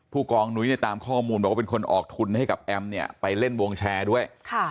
ผู้กองนุ้ยเนี่ยตามข้อมูลบอกว่าเป็นคนออกทุนให้กับแอมเนี่ยไปเล่นวงแชร์ด้วย